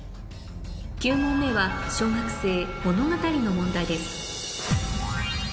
９問目は小学生物語の問題です